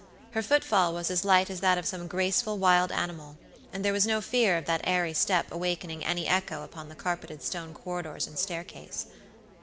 Her footfall was as light as that of some graceful wild animal, and there was no fear of that airy step awakening any echo upon the carpeted stone corridors and staircase.